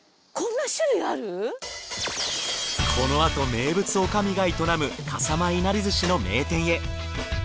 このあと名物女将が営む笠間いなり寿司の名店へ。